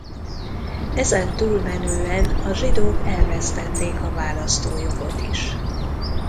Ezen túlmenően a zsidók elvesztették a választójogot is.